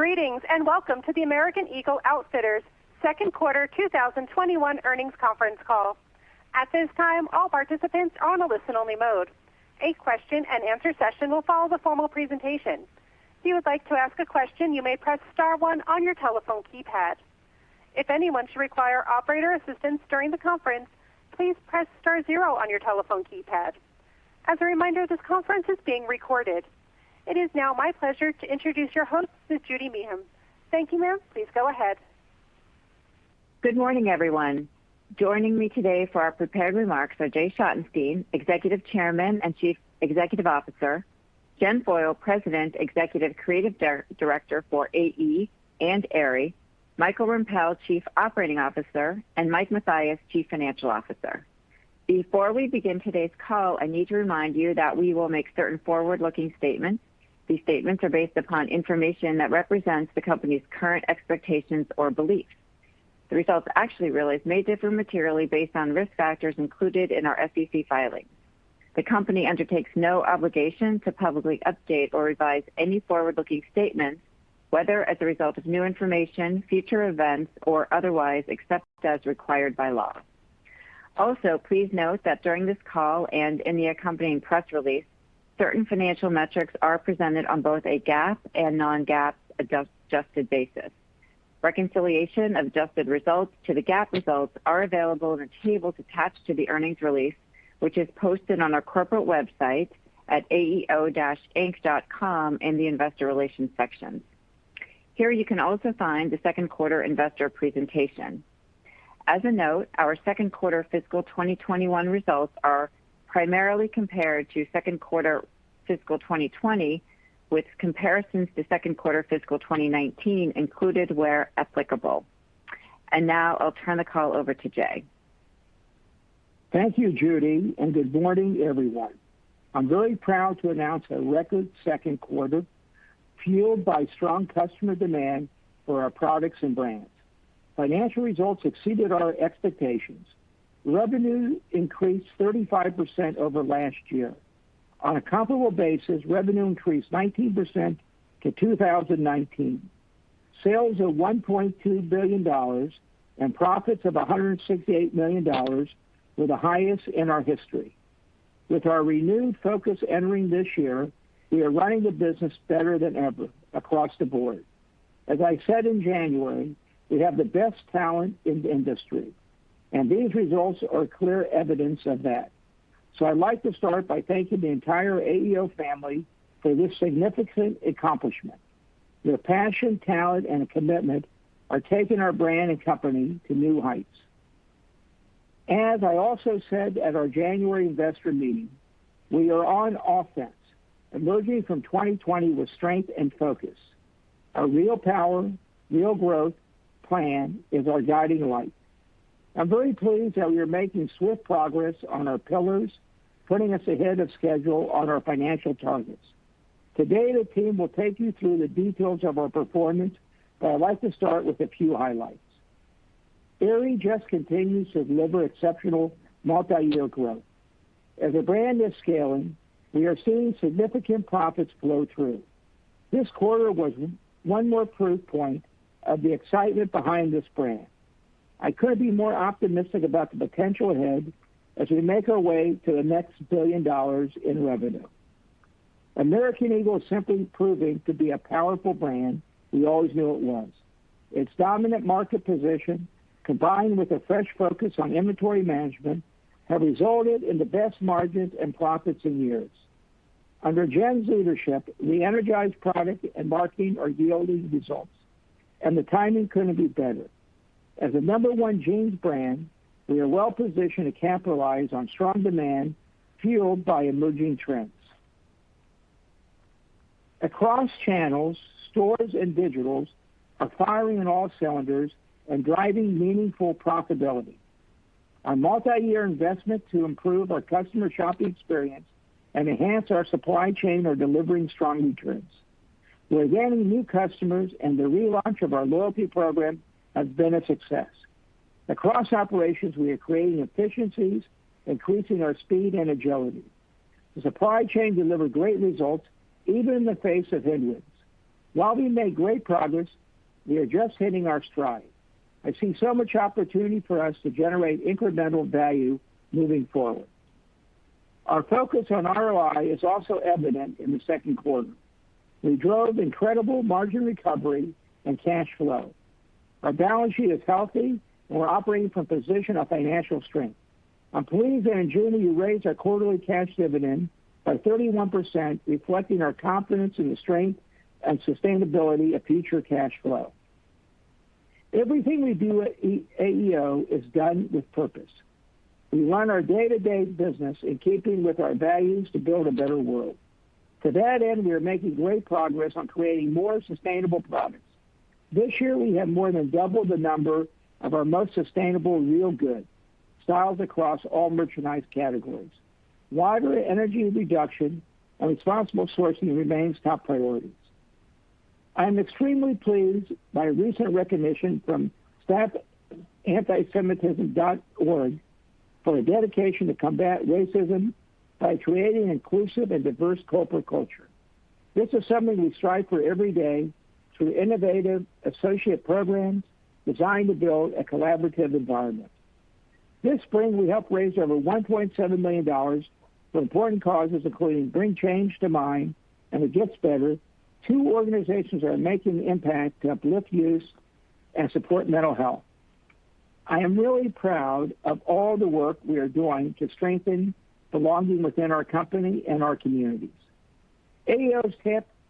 Greetings, and welcome to the American Eagle Outfitters Second Quarter 2021 Earnings Conference Call. It is now my pleasure to introduce your host, Ms. Judy Meehan. Thank you, ma'am. Please go ahead. Good morning, everyone. Joining me today for our prepared remarks are Jay Schottenstein, Executive Chairman and Chief Executive Officer, Jen Foyle, President, Executive Creative Director for AE and Aerie, Michael Rempell, Chief Operating Officer, and Mike Mathias, Chief Financial Officer. Before we begin today's call, I need to remind you that we will make certain forward-looking statements. These statements are based upon information that represents the company's current expectations or beliefs. The results actually realized may differ materially based on risk factors included in our SEC filings. The company undertakes no obligation to publicly update or revise any forward-looking statements, whether as a result of new information, future events, or otherwise, except as required by law. Also, please note that during this call and in the accompanying press release, certain financial metrics are presented on both a GAAP and non-GAAP adjusted basis. Reconciliation of adjusted results to the GAAP results are available in the tables attached to the earnings release, which is posted on our corporate website at aeo-inc.com in the investor relations section. Here, you can also find the second quarter investor presentation. As a note, our second quarter fiscal 2021 results are primarily compared to second quarter fiscal 2020, with comparisons to second quarter fiscal 2019 included where applicable. Now I'll turn the call over to Jay. Thank you, Judy, and good morning, everyone. I'm very proud to announce a record second quarter fueled by strong customer demand for our products and brands. Financial results exceeded our expectations. Revenue increased 35% over last year. On a comparable basis, revenue increased 19% to 2019. Sales of $1.2 billion and profits of $168 million were the highest in our history. With our renewed focus entering this year, we are running the business better than ever across the board. As I said in January, we have the best talent in the industry, and these results are clear evidence of that. I'd like to start by thanking the entire AEO family for this significant accomplishment. Your passion, talent, and commitment are taking our brand and company to new heights. As I also said at our January investor meeting, we are on offense, emerging from 2020 with strength and focus. Our Real Power, Real Growth plan is our guiding light. I'm very pleased that we are making swift progress on our pillars, putting us ahead of schedule on our financial targets. Today, the team will take you through the details of our performance, but I'd like to start with a few highlights. Aerie just continues to deliver exceptional multiyear growth. As a brand that's scaling, we are seeing significant profits flow through. This quarter was one more proof point of the excitement behind this brand. I couldn't be more optimistic about the potential ahead as we make our way to the next billion dollars in revenue. American Eagle is simply proving to be a powerful brand we always knew it was. Its dominant market position, combined with a fresh focus on inventory management, have resulted in the best margins and profits in years. Under Jen's leadership, reenergized product and marketing are yielding results, and the timing couldn't be better. As the number one jeans brand, we are well-positioned to capitalize on strong demand fueled by emerging trends. Across channels, stores and digitals are firing on all cylinders and driving meaningful profitability. Our multiyear investment to improve our customer shopping experience and enhance our supply chain are delivering strong returns. We're gaining new customers, and the relaunch of our loyalty program has been a success. Across operations, we are creating efficiencies, increasing our speed and agility. The supply chain delivered great results, even in the face of headwinds. While we made great progress, we are just hitting our stride. I see so much opportunity for us to generate incremental value moving forward. Our focus on ROI is also evident in the second quarter. We drove incredible margin recovery and cash flow. Our balance sheet is healthy, and we're operating from a position of financial strength. I'm pleased that in June, we raised our quarterly cash dividend by 31%, reflecting our confidence in the strength and sustainability of future cash flow. Everything we do at AEO is done with purpose. We run our day-to-day business in keeping with our values to build a better world. To that end, we are making great progress on creating more sustainable products. This year, we have more than doubled the number of our most sustainable Real Good styles across all merchandise categories. Wider energy reduction and responsible sourcing remains top priorities. I am extremely pleased by recent recognition from stopantisemitism.org for our dedication to combat racism by creating an inclusive and diverse corporate culture. This is something we strive for every day through innovative associate programs designed to build a collaborative environment. This spring, we helped raise over $1.7 million for important causes, including Bring Change to Mind and It Gets Better, two organizations that are making an impact to uplift youth and support mental health. I am really proud of all the work we are doing to strengthen belonging within our company and our communities. AEO's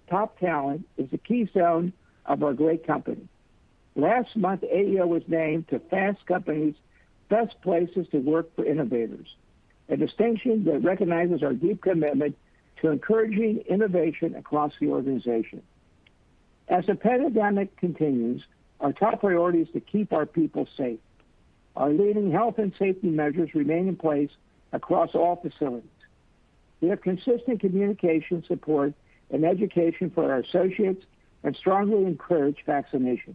top talent is the keystone of our great company. Last month, AEO was named to Fast Company's Best Workplaces for Innovators, a distinction that recognizes our deep commitment to encouraging innovation across the organization. As the pandemic continues, our top priority is to keep our people safe. Our leading health and safety measures remain in place across all facilities. We have consistent communication support and education for our associates and strongly encourage vaccinations.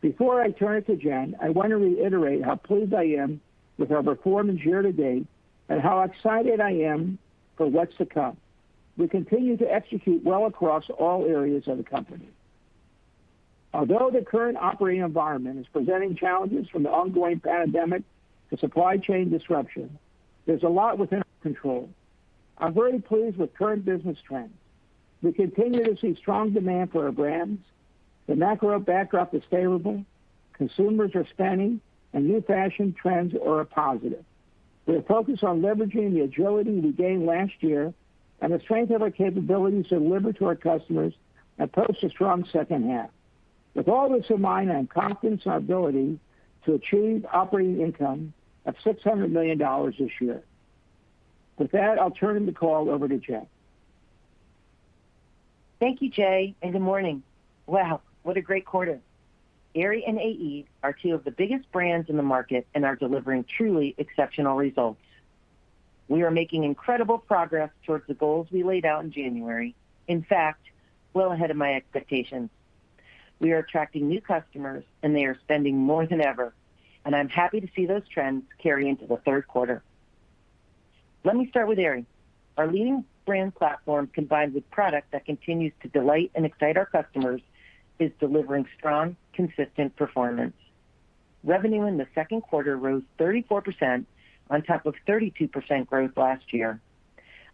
Before I turn it to Jen, I want to reiterate how pleased I am with our performance year-to-date and how excited I am for what's to come. We continue to execute well across all areas of the company. Although the current operating environment is presenting challenges from the ongoing pandemic to supply chain disruption, there's a lot within our control. I'm very pleased with current business trends. We continue to see strong demand for our brands. The macro backdrop is favorable. Consumers are spending, and new fashion trends are a positive. We are focused on leveraging the agility we gained last year and the strength of our capabilities to deliver to our customers approach a strong second half. With all this in mind, I am confident in our ability to achieve operating income of $600 million this year. With that, I'll turn the call over to Jen. Thank you, Jay, and good morning. Wow, what a great quarter. Aerie and AE are two of the biggest brands in the market and are delivering truly exceptional results. We are making incredible progress towards the goals we laid out in January, in fact, well ahead of my expectations. We are attracting new customers, and they are spending more than ever, and I'm happy to see those trends carry into the third quarter. Let me start with Aerie. Our leading brand platform, combined with product that continues to delight and excite our customers, is delivering strong, consistent performance. Revenue in the second quarter rose 34% on top of 32% growth last year.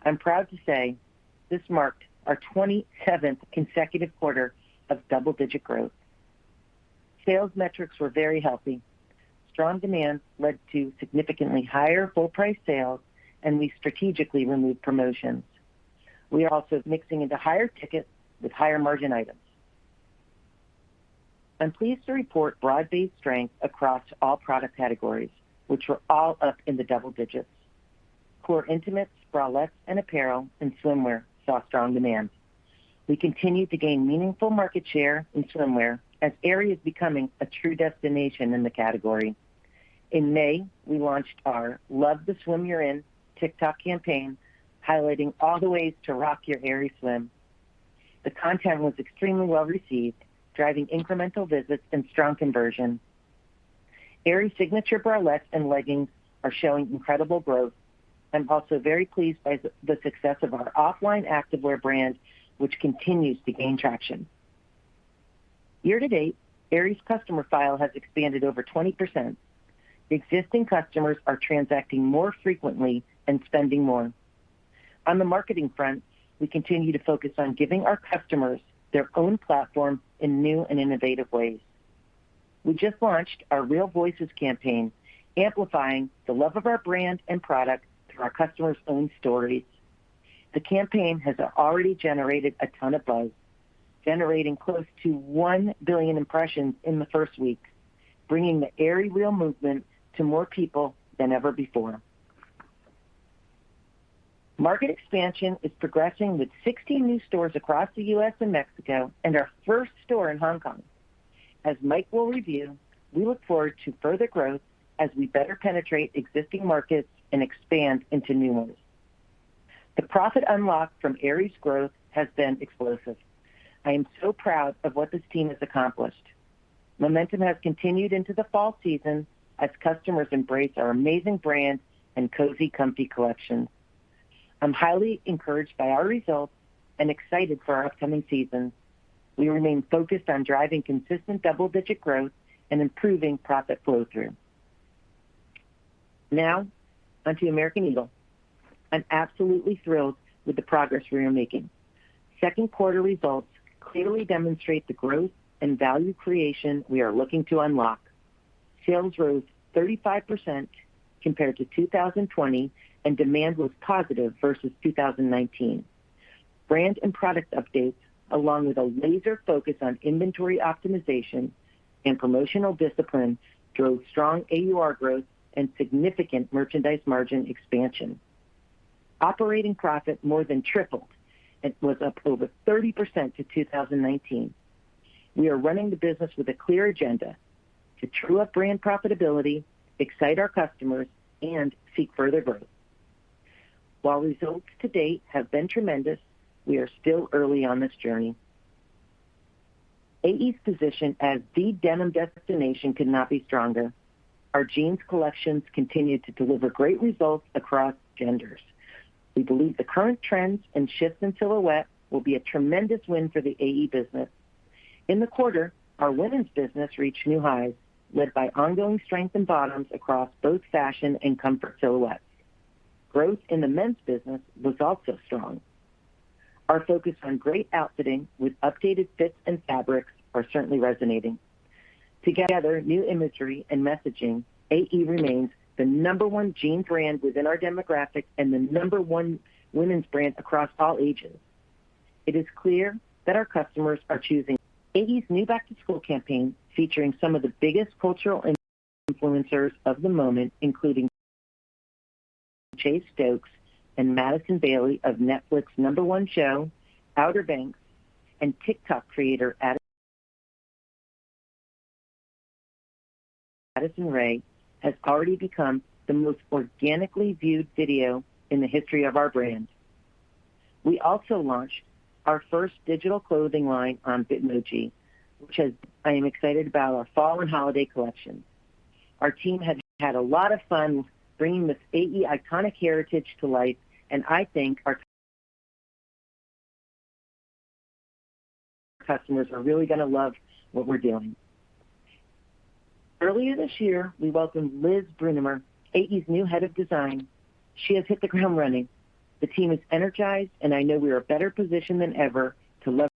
I'm proud to say this marked our 27th consecutive quarter of double-digit growth. Sales metrics were very healthy. Strong demand led to significantly higher full-price sales, and we strategically removed promotions. We are also mixing into higher tickets with higher-margin items. I'm pleased to report broad-based strength across all product categories, which were all up in the double digits. Core intimates, bralettes, and apparel, and swimwear saw strong demand. We continue to gain meaningful market share in swimwear as Aerie is becoming a true destination in the category. In May, we launched our Love the Swim You're In TikTok campaign, highlighting all the ways to rock your Aerie swim. The content was extremely well-received, driving incremental visits and strong conversion. Aerie signature bralettes and leggings are showing incredible growth. I'm also very pleased by the success of our OFFLINE by Aerie, which continues to gain traction. Year-to-date, Aerie's customer file has expanded over 20%. Existing customers are transacting more frequently and spending more. On the marketing front, we continue to focus on giving our customers their own platform in new and innovative ways. We just launched our Real Voices campaign, amplifying the love of our brand and product through our customers' own stories. The campaign has already generated a ton of buzz, generating close to 1 billion impressions in the first week, bringing the AerieREAL movement to more people than ever before. Market expansion is progressing with 16 new stores across the U.S. and Mexico and our first store in Hong Kong. As Mike will review, we look forward to further growth as we better penetrate existing markets and expand into new ones. The profit unlocked from Aerie's growth has been explosive. I am so proud of what this team has accomplished. Momentum has continued into the fall season as customers embrace our amazing brand and cozy, comfy collection. I'm highly encouraged by our results and excited for our upcoming season. We remain focused on driving consistent double-digit growth and improving profit flow-through. Now, onto American Eagle. I'm absolutely thrilled with the progress we are making. Second quarter results clearly demonstrate the growth and value creation we are looking to unlock. Sales rose 35% compared to 2020, and demand was positive versus 2019. Brand and product updates, along with a laser focus on inventory optimization and promotional discipline, drove strong AUR growth and significant merchandise margin expansion. Operating profit more than tripled and was up over 30% to 2019. We are running the business with a clear agenda to true up brand profitability, excite our customers, and seek further growth. While results to date have been tremendous, we are still early on this journey. AE's position as the denim destination could not be stronger. Our jeans collections continue to deliver great results across genders. We believe the current trends and shifts in silhouette will be a tremendous win for the AE business. In the quarter, our women's business reached new highs, led by ongoing strength in bottoms across both fashion and comfort silhouettes. Growth in the men's business was also strong. Our focus on great outfitting with updated fits and fabrics are certainly resonating. Together, new imagery and messaging, AE remains the number one jean brand within our demographic and the number one women's brand across all ages. It is clear that our customers are choosing AE's new Back-to-School campaign, featuring some of the biggest cultural influencers of the moment, including Chase Stokes and Madison Bailey of Netflix's number one show, "Outer Banks," and TikTok creator, Addison Rae, has already become the most organically viewed video in the history of our brand. We also launched our first digital clothing line on Bitmoji, which I am excited about our fall and holiday collection. Our team has had a lot of fun bringing the AE iconic heritage to life, and I think our customers are really going to love what we're doing. Earlier this year, we welcomed Liz Brunnemer, AE's new Head of Design. She has hit the ground running. The team is energized, and I know we are better positioned than ever to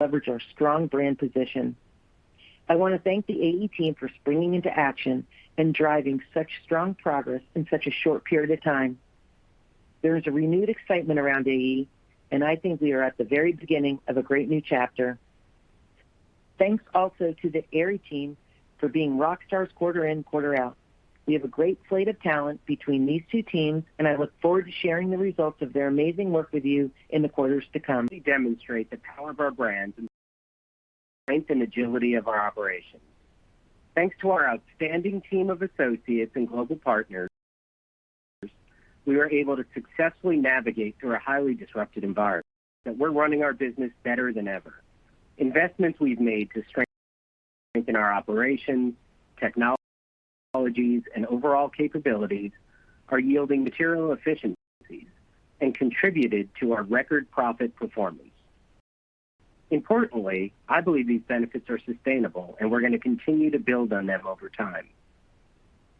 leverage our strong brand position. I want to thank the AE team for springing into action and driving such strong progress in such a short period of time. There is a renewed excitement around AE, and I think we are at the very beginning of a great new chapter. Thanks also to the Aerie team for being rock stars quarter in, quarter out. We have a great slate of talent between these two teams, and I look forward to sharing the results of their amazing work with you in the quarters to come. Demonstrate the power of our brands and strength and agility of our operations. Thanks to our outstanding team of associates and global partners, we were able to successfully navigate through a highly disrupted environment. That we're running our business better than ever. Investments we've made to strengthen our operations, technologies, and overall capabilities are yielding material efficiencies and contributed to our record profit performance. Importantly, I believe these benefits are sustainable, and we're going to continue to build on them over time.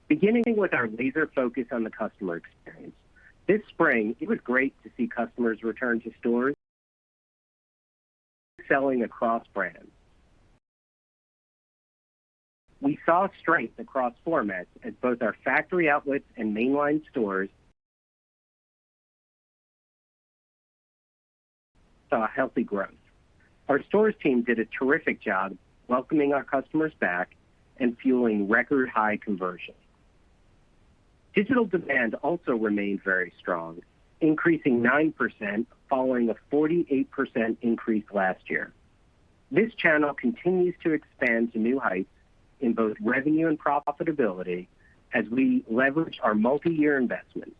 Beginning with our laser focus on the customer experience. This spring, it was great to see customers return to stores selling across brands. We saw strength across formats as both our factory outlets and mainline stores saw healthy growth. Our stores team did a terrific job welcoming our customers back and fueling record high conversions. Digital demand also remained very strong, increasing 9% following a 48% increase last year. This channel continues to expand to new heights in both revenue and profitability as we leverage our multi-year investments.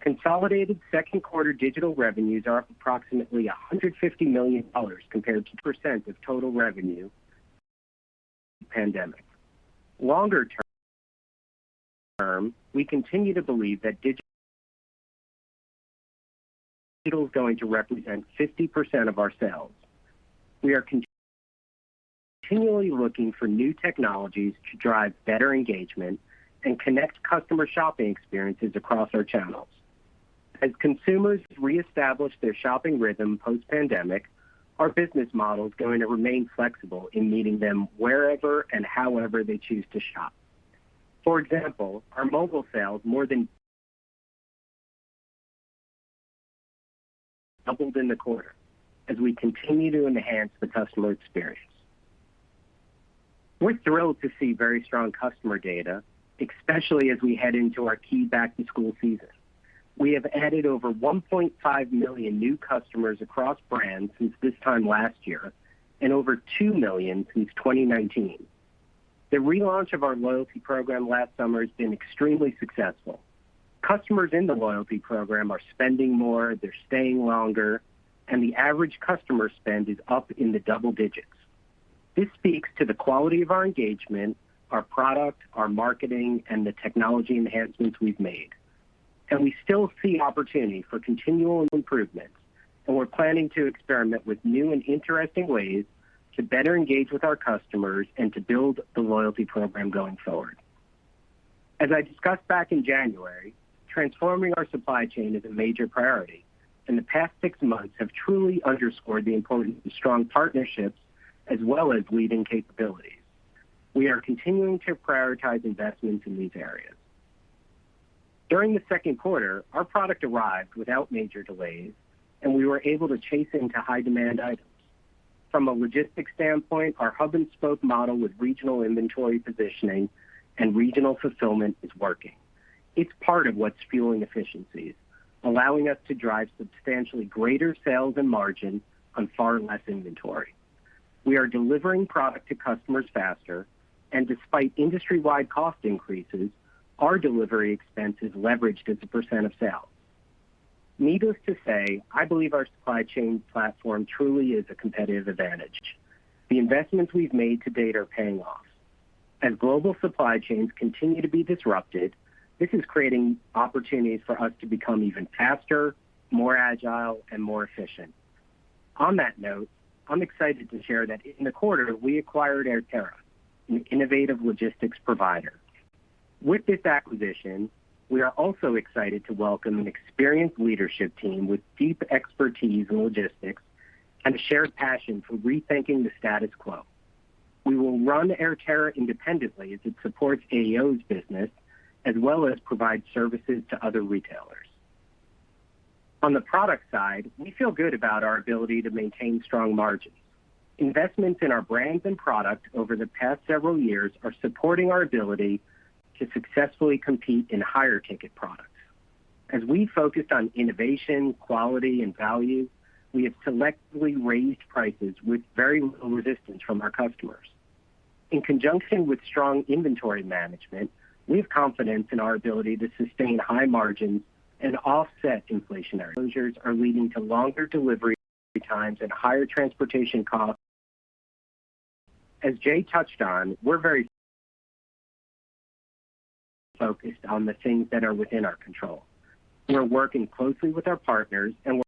Consolidated second quarter digital revenues are approximately $150 million compared to percent of total revenue pandemic. Longer term, we continue to believe that digital is going to represent 50% of our sales. We are continually looking for new technologies to drive better engagement and connect customer shopping experiences across our channels. As consumers reestablish their shopping rhythm post-pandemic, our business model is going to remain flexible in meeting them wherever and however they choose to shop. For example, our mobile sales more than doubled in the quarter as we continue to enhance the customer experience. We're thrilled to see very strong customer data, especially as we head into our key back-to-school season. We have added over 1.5 million new customers across brands since this time last year and over 2 million since 2019. The relaunch of our loyalty program last summer has been extremely successful. Customers in the loyalty program are spending more, they're staying longer, and the average customer spend is up in the double digits. This speaks to the quality of our engagement, our product, our marketing, and the technology enhancements we've made. We still see opportunity for continual improvement, and we're planning to experiment with new and interesting ways to better engage with our customers and to build the loyalty program going forward. As I discussed back in January, transforming our supply chain is a major priority, and the past six months have truly underscored the importance of strong partnerships as well as leading capabilities. We are continuing to prioritize investments in these areas. During the second quarter, our product arrived without major delays and we were able to chase into high demand items. From a logistics standpoint, our hub and spoke model with regional inventory positioning and regional fulfillment is working. It's part of what's fueling efficiencies, allowing us to drive substantially greater sales and margin on far less inventory. We are delivering product to customers faster, and despite industry-wide cost increases, our delivery expense has leveraged as a percent of sales. Needless to say, I believe our supply chain platform truly is a competitive advantage. The investments we've made to date are paying off. As global supply chains continue to be disrupted, this is creating opportunities for us to become even faster, more agile, and more efficient. On that note, I'm excited to share that in the quarter, we acquired AirTerra, an innovative logistics provider. With this acquisition, we are also excited to welcome an experienced leadership team with deep expertise in logistics and a shared passion for rethinking the status quo. We will run AirTerra independently as it supports AEO's business, as well as provide services to other retailers. On the product side, we feel good about our ability to maintain strong margins. Investments in our brands and product over the past several years are supporting our ability to successfully compete in higher ticket products. As we focused on innovation, quality, and value, we have selectively raised prices with very little resistance from our customers. In conjunction with strong inventory management, we have confidence in our ability to sustain high margins and offset inflationary pressures. They are leading to longer delivery times and higher transportation costs. As Jay touched on, we're very focused on the things that are within our control. We are working closely with our partners, and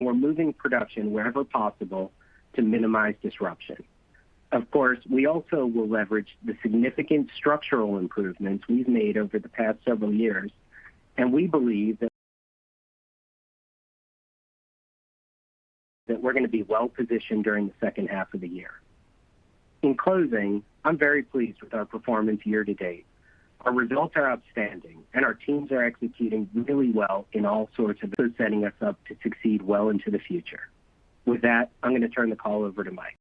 we're moving production wherever possible to minimize disruption. Of course, we also will leverage the significant structural improvements we've made over the past several years, and we believe that we're going to be well positioned during the second half of the year. In closing, I'm very pleased with our performance year-to-date. Our results are outstanding, and our teams are executing really well in all sorts of setting us up to succeed well into the future. With that, I'm going to turn the call over to Mike.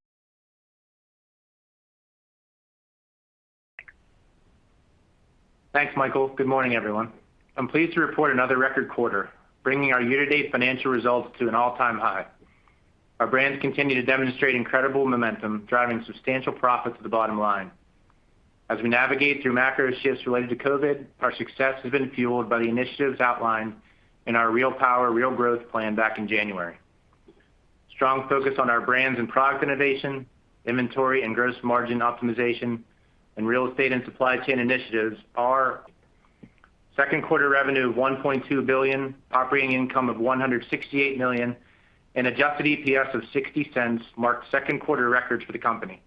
Thanks, Michael. Good morning, everyone. I'm pleased to report another record quarter, bringing our year-to-date financial results to an all-time high. Our brands continue to demonstrate incredible momentum, driving substantial profit to the bottom line. As we navigate through macro shifts related to COVID, our success has been fueled by the initiatives outlined in our Real Power, Real Growth plan back in January. Strong focus on our brands and product innovation, inventory and gross margin optimization, and real estate and supply chain initiatives are second quarter revenue of $1.2 billion, operating income of $168 million, and adjusted EPS of $0.60 marked second quarter records for the company.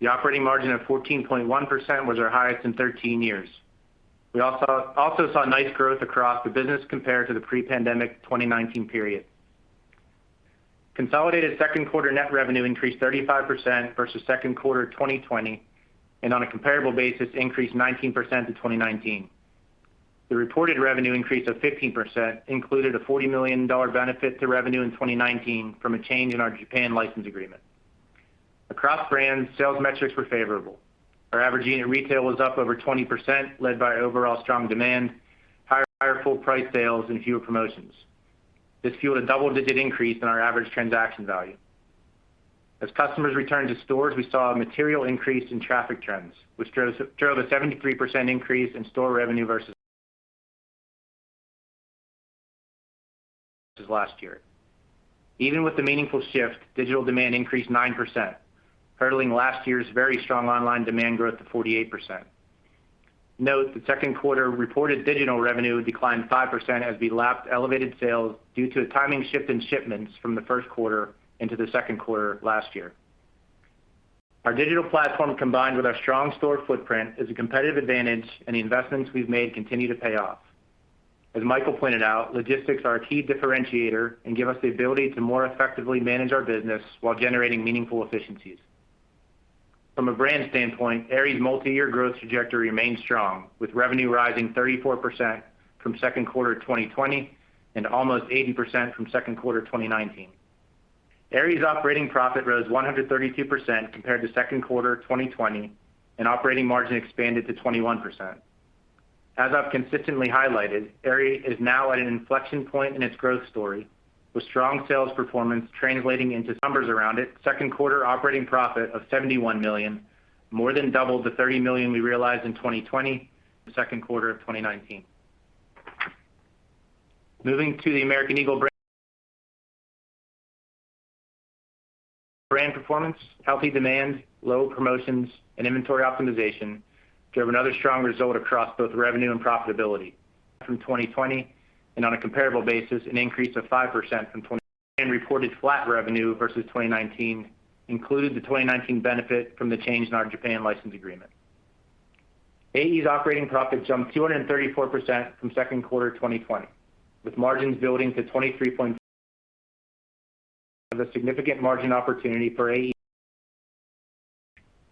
The operating margin of 14.1% was our highest in 13 years. We also saw nice growth across the business compared to the pre-pandemic 2019 period. Consolidated second quarter net revenue increased 35% versus second quarter 2020. On a comparable basis, increased 19% to 2019. The reported revenue increase of 15% included a $40 million benefit to revenue in 2019 from a change in our Japan license agreement. Across brands, sales metrics were favorable. Our average unit retail was up over 20%, led by overall strong demand, higher full price sales, and fewer promotions. This fueled a double-digit increase in our average transaction value. As customers returned to stores, we saw a material increase in traffic trends, which drove a 73% increase in store revenue versus last year. Even with the meaningful shift, digital demand increased 9%, hurdling last year's very strong online demand growth to 48%. Note: the second quarter reported digital revenue declined 5% as we lapped elevated sales due to a timing shift in shipments from the first quarter into the second quarter last year. Our digital platform, combined with our strong store footprint, is a competitive advantage, and the investments we've made continue to pay off. As Michael pointed out, logistics are a key differentiator and give us the ability to more effectively manage our business while generating meaningful efficiencies. From a brand standpoint, Aerie's multi-year growth trajectory remains strong, with revenue rising 34% from second quarter 2020 and almost 80% from second quarter 2019. Aerie's operating profit rose 132% compared to second quarter 2020, and operating margin expanded to 21%. As I've consistently highlighted, Aerie is now at an inflection point in its growth story, with strong sales performance translating into numbers around it. Second quarter operating profit of $71 million, more than double the $30 million we realized in 2020, the second quarter of 2019. Moving to the American Eagle brand. Brand performance, healthy demand, low promotions, and inventory optimization drove another strong result across both revenue and profitability. From 2020, and on a comparable basis, an increase of 5% from 20-- and reported flat revenue versus 2019 include the 2019 benefit from the change in our Japan license agreement. AE's operating profit jumped 234% from second quarter 2020, with margins building to 23.2-- of a significant margin opportunity for AE.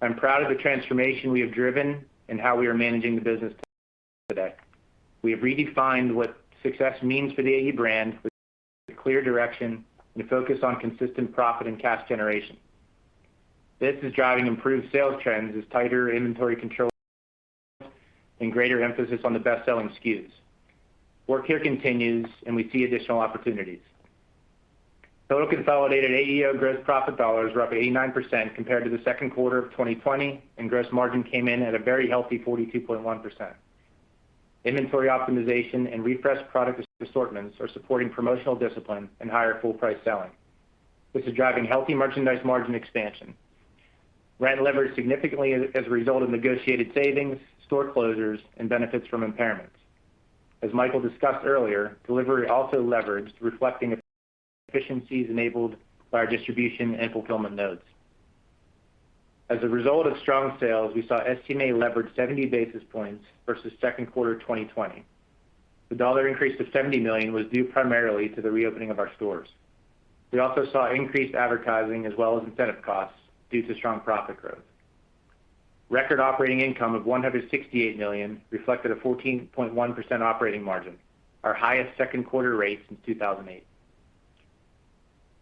I'm proud of the transformation we have driven and how we are managing the business today. We have redefined what success means for the AE brand with clear direction and a focus on consistent profit and cash generation. This is driving improved sales trends as tighter inventory control and greater emphasis on the best-selling SKUs. Work here continues, and we see additional opportunities. Total consolidated AEO gross profit dollars were up 89% compared to the second quarter of 2020, and gross margin came in at a very healthy 42.1%. Inventory optimization and refreshed product assortments are supporting promotional discipline and higher full price selling. This is driving healthy merchandise margin expansion. Rent leverage significantly as a result of negotiated savings, store closures, and benefits from impairments. As Michael discussed earlier, delivery also leveraged, reflecting efficiencies enabled by our distribution and fulfillment nodes. As a result of strong sales, we saw SG&A leverage 70 basis points versus second quarter 2020. The dollar increase of $70 million was due primarily to the reopening of our stores. We also saw increased advertising as well as incentive costs due to strong profit growth. Record operating income of $168 million reflected a 14.1% operating margin, our highest second quarter rate since 2008.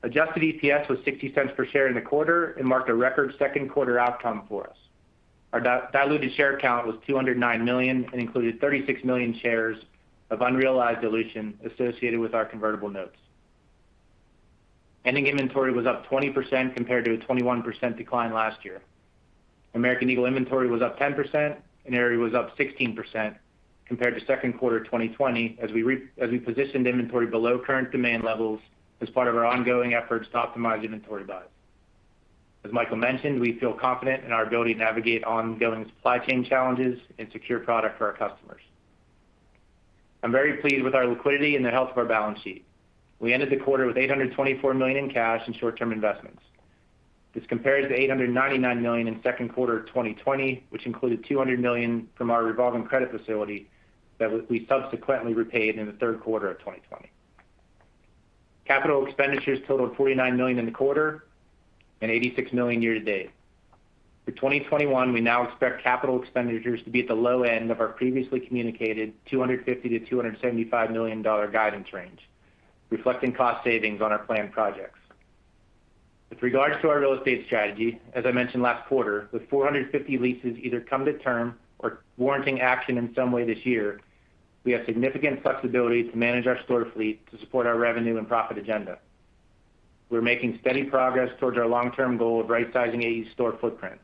Adjusted EPS was $0.60 per share in the quarter and marked a record second quarter outcome for us. Our diluted share count was 209 million and included 36 million shares of unrealized dilution associated with our convertible notes. Ending inventory was up 20% compared to a 21% decline last year. American Eagle inventory was up 10%, and Aerie was up 16% compared to second quarter 2020, as we positioned inventory below current demand levels as part of our ongoing efforts to optimize inventory buys. As Michael mentioned, we feel confident in our ability to navigate ongoing supply chain challenges and secure product for our customers. I'm very pleased with our liquidity and the health of our balance sheet. We ended the quarter with $824 million in cash and short-term investments. This compares to $899 million in second quarter 2020, which included $200 million from our revolving credit facility that we subsequently repaid in the third quarter of 2020. Capital expenditures totaled $49 million in the quarter and $86 million year-to-date. For 2021, we now expect capital expenditures to be at the low end of our previously communicated $250 million-$275 million guidance range, reflecting cost savings on our planned projects. With regards to our real estate strategy, as I mentioned last quarter, with 450 leases either coming to term or warranting action in some way this year, we have significant flexibility to manage our store fleet to support our revenue and profit agenda. We're making steady progress towards our long-term goal of right-sizing AE's store footprint.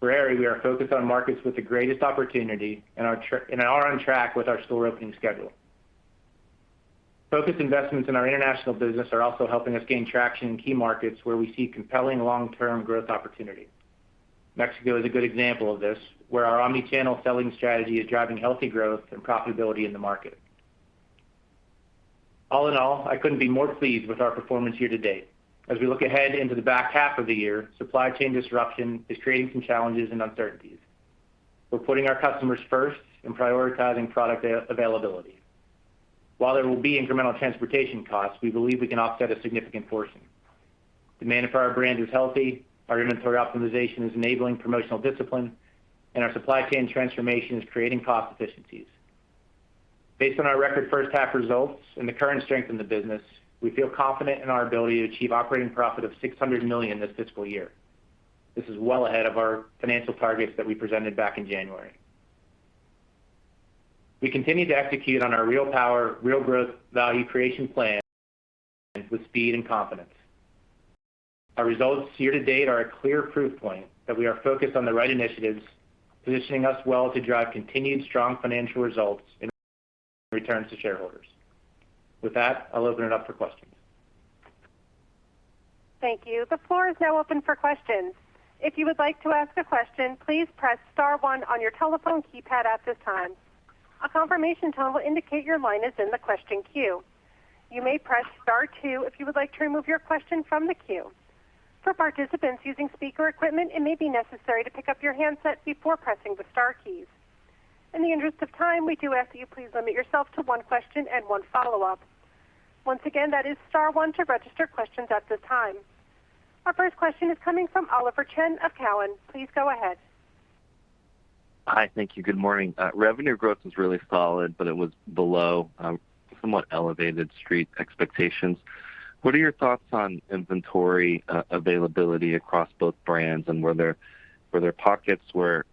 For Aerie, we are focused on markets with the greatest opportunity and are on track with our store opening schedule. Focused investments in our international business are also helping us gain traction in key markets where we see compelling long-term growth opportunity. Mexico is a good example of this, where our omni-channel selling strategy is driving healthy growth and profitability in the market. All in all, I couldn't be more pleased with our performance here to date. As we look ahead into the back half of the year, supply chain disruption is creating some challenges and uncertainties. We're putting our customers first and prioritizing product availability. While there will be incremental transportation costs, we believe we can offset a significant portion. Demand for our brand is healthy, our inventory optimization is enabling promotional discipline, and our supply chain transformation is creating cost efficiencies. Based on our record first half results and the current strength in the business, we feel confident in our ability to achieve operating profit of $600 million this fiscal year. This is well ahead of our financial targets that we presented back in January. We continue to execute on our Real Power, Real Growth value creation plan with speed and confidence. Our results here to date are a clear proof point that we are focused on the right initiatives, positioning us well to drive continued strong financial results and returns to shareholders. With that, I'll open it up for questions. Thank you. The floor is now open for questions. In the interest of time, we do ask that you please limit yourself to one question and one follow-up. Our first question is coming from Oliver Chen of Cowen. Please go ahead. Hi. Thank you. Good morning. Revenue growth was really solid, but it was below somewhat elevated street expectations. What are your thoughts on inventory availability across both brands, and were there pockets where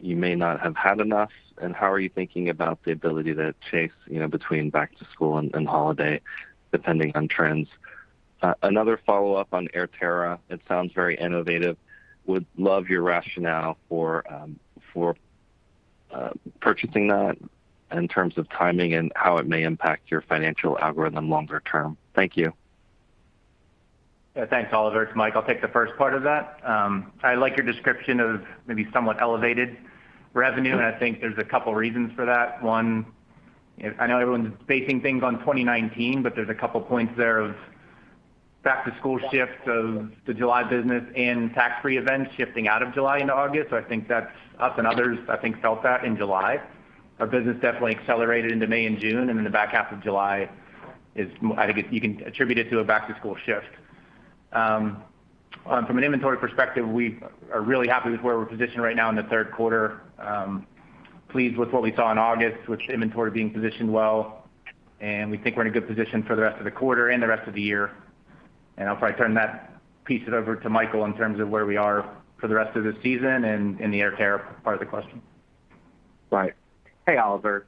you may not have had enough? How are you thinking about the ability to chase between back-to-school and holiday, depending on trends? Another follow-up on AirTerra. It sounds very innovative. Would love your rationale for purchasing that in terms of timing and how it may impact your financial algorithm longer term. Thank you. Yeah. Thanks, Oliver. It's Mike. I'll take the first part of that. I like your description of maybe somewhat elevated revenue, and I think there's a couple reasons for that. One, I know everyone's basing things on 2019, but there's a couple points there of back-to-school shifts of the July business and tax-free events shifting out of July into August. I think that us and others, I think, felt that in July. Our business definitely accelerated into May and June, and then the back half of July, I think you can attribute it to a back-to-school shift. From an inventory perspective, we are really happy with where we're positioned right now in the third quarter. Pleased with what we saw in August, with inventory being positioned well. We think we're in a good position for the rest of the quarter and the rest of the year. I'll probably turn that piece over to Michael in terms of where we are for the rest of the season and the AirTerra part of the question. Hey, Oliver.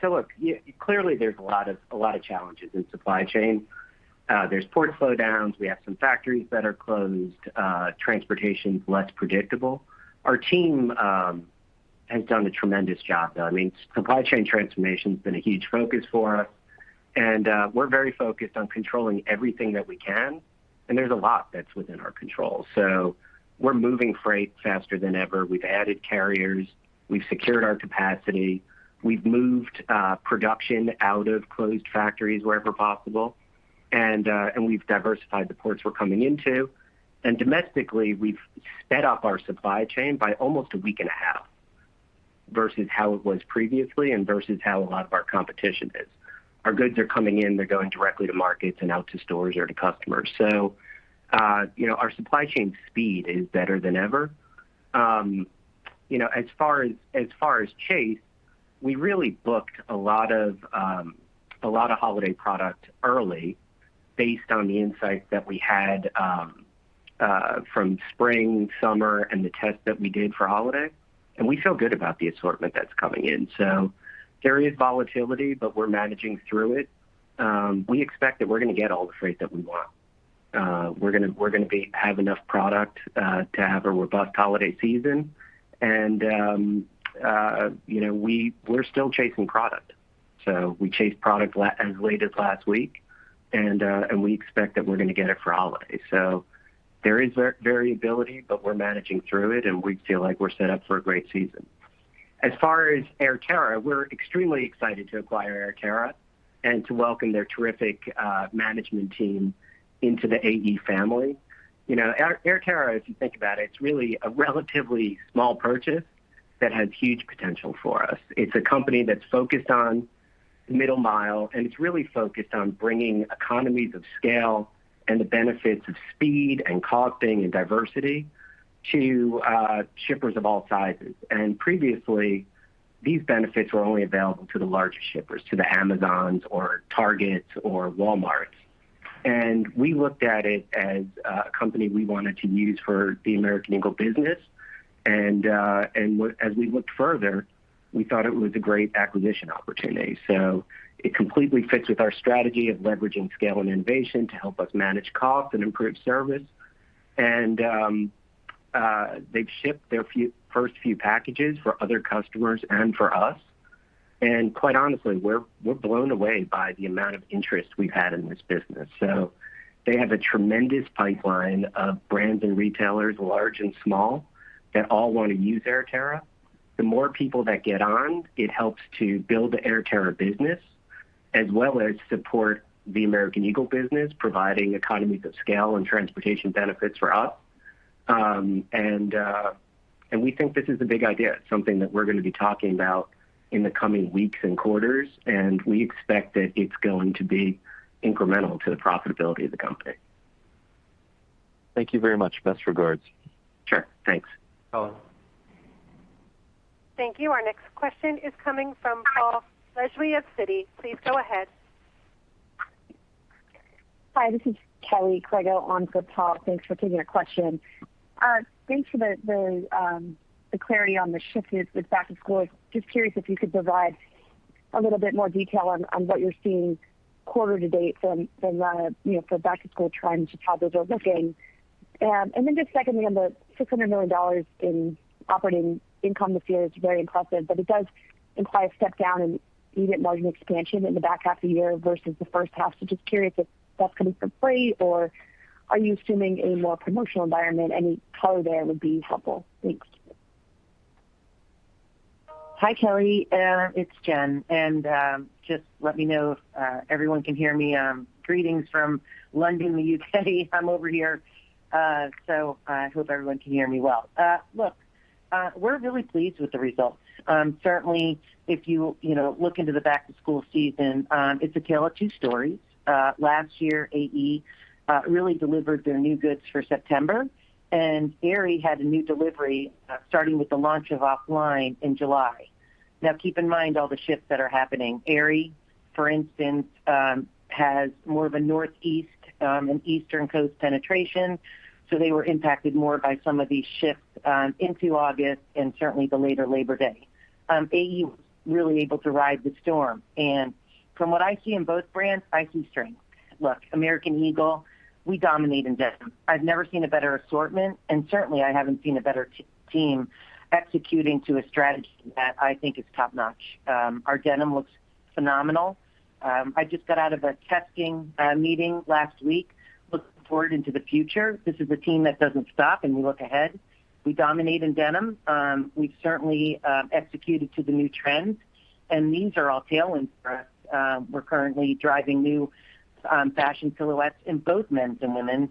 Clearly there's a lot of challenges in supply chain. There's port slowdowns. We have some factories that are closed. Transportation's less predictable. Our team has done a tremendous job, though. Supply chain transformation's been a huge focus for us and we're very focused on controlling everything that we can, and there's a lot that's within our control. We're moving freight faster than ever. We've added carriers. We've secured our capacity. We've moved production out of closed factories wherever possible, and we've diversified the ports we're coming into. Domestically, we've sped up our supply chain by almost a week and a half versus how it was previously and versus how a lot of our competition is. Our goods are coming in, they're going directly to markets and out to stores or to customers. Our supply chain speed is better than ever. As far as chase, we really booked a lot of holiday product early based on the insights that we had from spring, summer, and the test that we did for holiday. We feel good about the assortment that's coming in. There is volatility, but we're managing through it. We expect that we're going to get all the freight that we want. We're going to have enough product to have a robust holiday season, and we're still chasing product. We chased product as late as last week, and we expect that we're going to get it for holiday. There is variability, but we're managing through it, and we feel like we're set up for a great season. As far as AirTerra, we're extremely excited to acquire AirTerra and to welcome their terrific management team into the AE family. AirTerra, if you think about it's really a relatively small purchase that has huge potential for us. It's a company that's focused on middle mile, and it's really focused on bringing economies of scale and the benefits of speed and costing and diversity to shippers of all sizes. Previously, these benefits were only available to the larger shippers, to the Amazons or Targets or Walmarts. We looked at it as a company we wanted to use for the American Eagle business, and as we looked further, we thought it was a great acquisition opportunity. It completely fits with our strategy of leveraging scale and innovation to help us manage costs and improve service. They've shipped their first few packages for other customers and for us, and quite honestly, we're blown away by the amount of interest we've had in this business. They have a tremendous pipeline of brands and retailers, large and small, that all want to use AirTerra. The more people that get on, it helps to build the AirTerra business as well as support the American Eagle business, providing economies of scale and transportation benefits for us. We think this is a big idea. It's something that we're going to be talking about in the coming weeks and quarters, and we expect that it's going to be incremental to the profitability of the company. Thank you very much. Best regards. Sure. Thanks. Thank you. Our next question is coming from Paul Lejuez of Citi. Please go ahead. Hi, this is Kelly Crago on for Paul. Thanks for taking the question. Thanks for the clarity on the shift with back-to-school. Curious if you could provide a little bit more detail on what you're seeing quarter-to-date from the back-to-school trends, just how those are looking. Secondly, on the $600 million in operating income this year is very impressive, but it does imply a step down in margin expansion in the back half of the year versus the first half. Curious if that's coming from freight, or are you assuming a more promotional environment? Any color there would be helpful. Thanks. Hi, Kelly. It's Jen. Just let me know if everyone can hear me. Greetings from London, the U.K. I'm over here, so I hope everyone can hear me well. Look, we're really pleased with the results. Certainly, if you look into the back-to-school season, it's a tale of two stories. Last year, AE really delivered their new goods for September, and Aerie had a new delivery starting with the launch of OFFLINE in July. Now, keep in mind all the shifts that are happening. Aerie, for instance, has more of a Northeast and Eastern coast penetration, so they were impacted more by some of these shifts into August and certainly the later Labor Day. AE was really able to ride the storm. From what I see in both brands, I see strength. Look, American Eagle, we dominate in denim. I've never seen a better assortment, and certainly I haven't seen a better team executing to a strategy that I think is top-notch. Our denim looks phenomenal. I just got out of a testing meeting last week looking forward into the future. This is a team that doesn't stop, and we look ahead. We dominate in denim. We've certainly executed to the new trends, and these are all tailwinds for us. We're currently driving new fashion silhouettes in both men's and women's.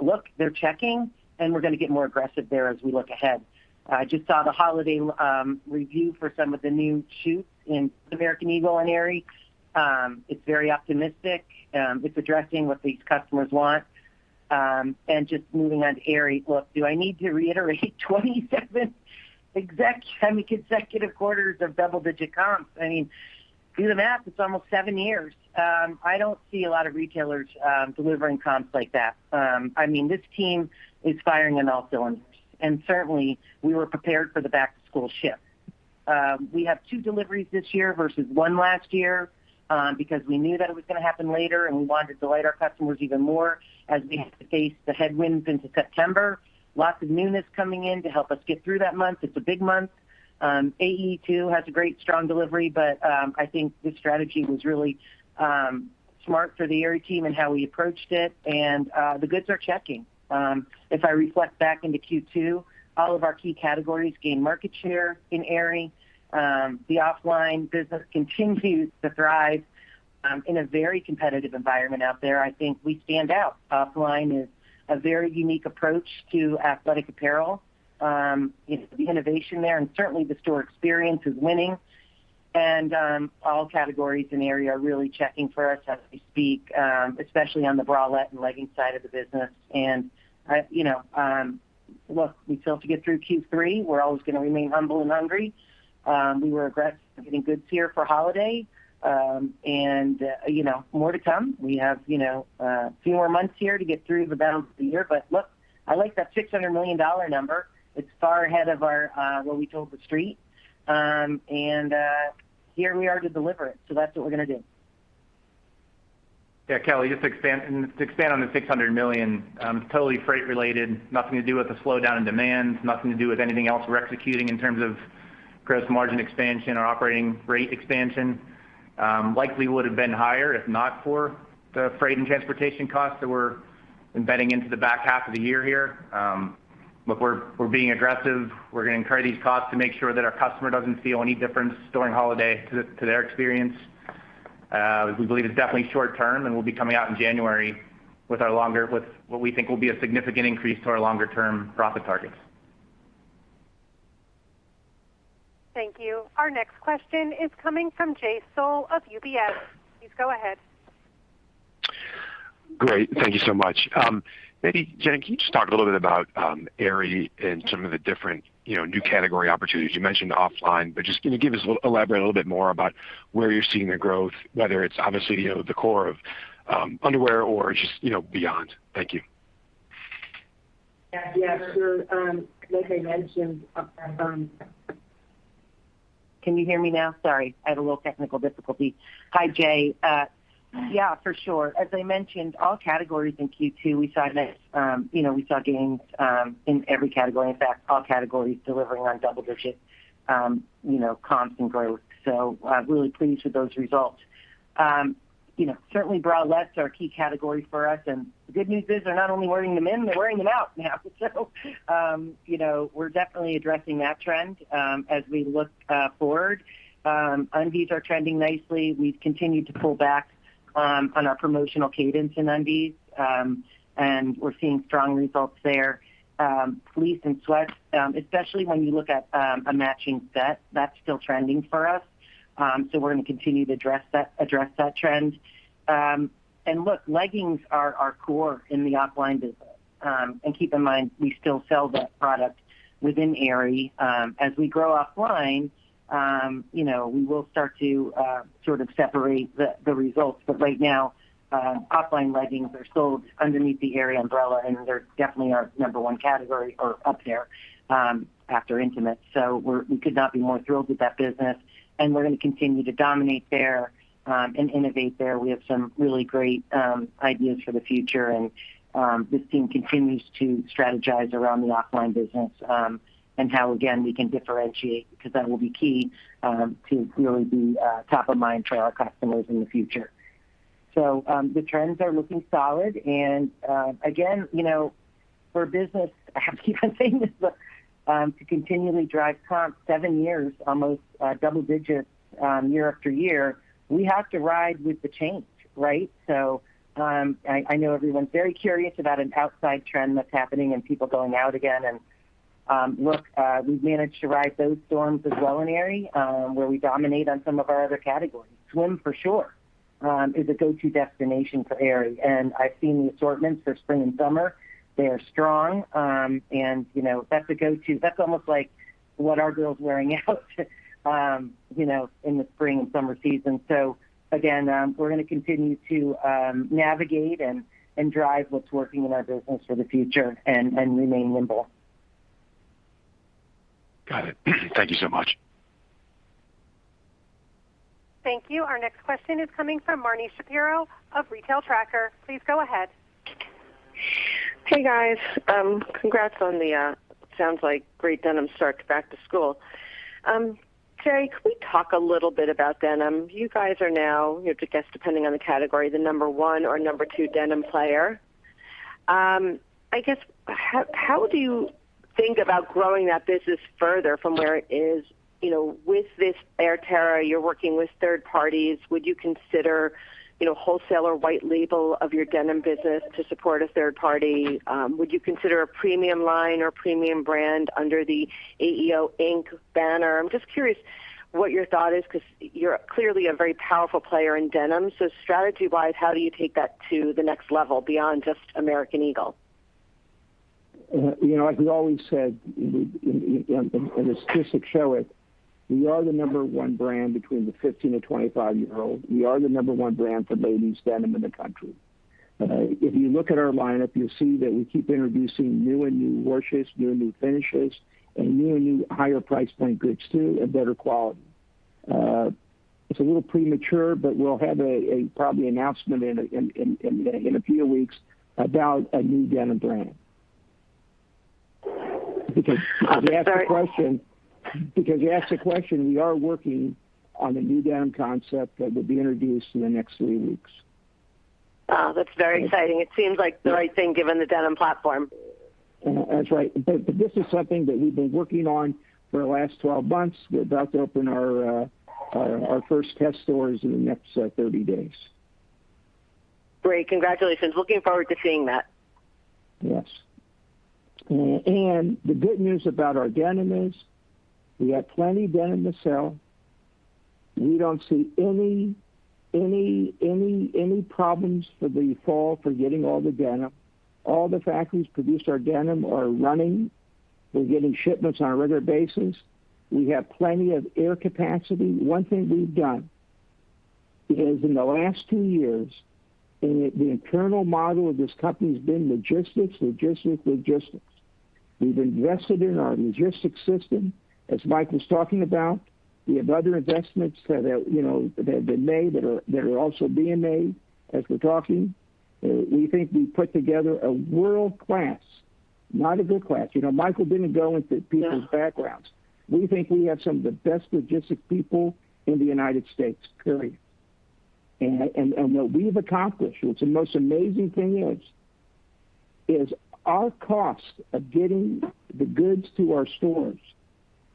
Look, they're checking, and we're going to get more aggressive there as we look ahead. I just saw the holiday review for some of the new shoes in American Eagle and Aerie. It's very optimistic. It's addressing what these customers want. Just moving on to Aerie. Look, do I need to reiterate 27 consecutive quarters of double-digit comps? Do the math, it's almost seven years. I don't see a lot of retailers delivering comps like that. This team is firing on all cylinders, certainly, we were prepared for the back-to-school shift. We have two deliveries this year versus one last year, because we knew that it was going to happen later, we wanted to delight our customers even more as we faced the headwinds into September. Lots of newness coming in to help us get through that month. It's a big month. AE, too, has a great, strong delivery, I think this strategy was really smart for the Aerie team and how we approached it, the goods are checking. If I reflect back into Q2, all of our key categories gained market share in Aerie. The OFFLINE business continues to thrive in a very competitive environment out there. I think we stand out. OFFLINE is a very unique approach to athletic apparel. The innovation there, and certainly the store experience, is winning. All categories in Aerie are really checking for us as we speak, especially on the bralette and legging side of the business. Look, we still have to get through Q3. We're always going to remain humble and hungry. We were aggressive getting goods here for holiday. More to come. We have a few more months here to get through the balance of the year. Look, I like that $600 million number. It's far ahead of what we told the Street, and here we are to deliver it, so that's what we're going to do. Yeah, Kelly, just to expand on the $600 million. Totally freight related, nothing to do with the slowdown in demand, nothing to do with anything else we're executing in terms of gross margin expansion or operating rate expansion. Likely would've been higher if not for the freight and transportation costs that we're embedding into the back half of the year here. Look, we're being aggressive. We're going to incur these costs to make sure that our customer doesn't see any difference during holiday to their experience. We believe it's definitely short-term, and we'll be coming out in January with what we think will be a significant increase to our longer-term profit targets. Thank you. Our next question is coming from Jay Sole of UBS. Please go ahead. Great. Thank you so much. Maybe, Jen, can you just talk a little bit about Aerie and some of the different new category opportunities? You mentioned OFFLINE, just can you elaborate a little bit more about where you're seeing the growth, whether it's obviously the core of underwear or just beyond? Thank you. Yeah, sure. Can you hear me now? Sorry, I had a little technical difficulty. Hi, Jay. Yeah, for sure. As I mentioned, all categories in Q2, we saw gains in every category. In fact, all categories delivering on double-digit comps and growth. I'm really pleased with those results. Certainly bralettes are a key category for us, and the good news is they're not only wearing them in, they're wearing them out now, so we're definitely addressing that trend as we look forward. Undies are trending nicely. We've continued to pull back on our promotional cadence in undies, and we're seeing strong results there. Fleece and sweats, especially when you look at a matching set, that's still trending for us, so we're going to continue to address that trend. Look, leggings are core in the OFFLINE business. Keep in mind, we still sell that product within Aerie. As we grow OFFLINE, we will start to separate the results. Right now, OFFLINE leggings are sold underneath the Aerie umbrella, and they're definitely our number one category, or up there, after intimates. We could not be more thrilled with that business, and we're going to continue to dominate there and innovate there. We have some really great ideas for the future, and this team continues to strategize around the OFFLINE business and how, again, we can differentiate, because that will be key to really be top of mind for our customers in the future. The trends are looking solid, and again, for a business, I have to keep on saying this, to continually drive comps seven years, almost double digits year after year, we have to ride with the change, right? I know everyone's very curious about an outside trend that's happening and people going out again, and look, we've managed to ride those storms as well in Aerie, where we dominate on some of our other categories. Swim, for sure, is a go-to destination for Aerie, I've seen the assortments for spring and summer. They are strong, that's a go-to. That's almost like what our girl's wearing out in the spring and summer season. Again, we're going to continue to navigate and drive what's working in our business for the future and remain nimble. Got it. Thank you so much. Thank you. Our next question is coming from Marni Shapiro of The Retail Tracker. Please go ahead. Hey, guys. Congrats on the, sounds like, great denim start to back-to-school. Terry, could we talk a little bit about denim? You guys are now, I guess depending on the category, the number one or number two denim player. I guess, how do you think about growing that business further from where it is? With this AirTerra, you're working with third parties. Would you consider wholesaler white label of your denim business to support a third party? Would you consider a premium line or premium brand under the AEO Inc. banner? I'm just curious what your thought is, because you're clearly a very powerful player in denim. Strategy-wise, how do you take that to the next level beyond just American Eagle? Like we always said, and the statistics show it, we are the number one brand between the 15-25-year-olds. We are the number one brand for ladies denim in the country. If you look at our lineup, you'll see that we keep introducing new and new washes, new and new finishes, and new and new higher price point goods too, and better quality. It's a little premature, but we'll have probably an announcement in a few weeks about a new denim brand. That's very- Because you asked the question, we are working on a new denim concept that will be introduced in the next three weeks. Wow. That's very exciting. It seems like the right thing, given the denim platform. That's right. This is something that we've been working on for the last 12 months. We're about to open our first test stores in the next 30 days. Great. Congratulations. Looking forward to seeing that. Yes. The good news about our denim is we got plenty of denim to sell. We don't see any problems for the fall for getting all the denim. All the factories produced our denim are running. We're getting shipments on a regular basis. We have plenty of air capacity. One thing we've done is in the last two years, the internal model of this company has been logistics. We've invested in our logistics system, as Mike was talking about. We have other investments that have been made, that are also being made as we're talking. We think we've put together a world-class, not a good class. Michael didn't go into people's backgrounds. We think we have some of the best logistics people in the United States, period. What we've accomplished, what the most amazing thing is our cost of getting the goods to our stores